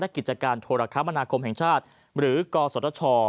กิจการโทรคมนาคมแห่งชาติหรือกศช